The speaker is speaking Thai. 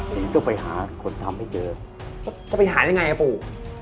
ต้องไปหาคนทำให้เจอก็จะไปหายังไงล่ะปู่